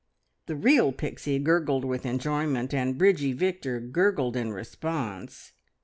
'" The real Pixie gurgled with enjoyment, and Bridgie Victor gurgled in response.